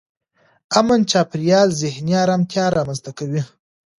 امن چاپېریال ذهني ارامتیا رامنځته کوي.